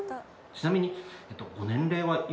ちなみに。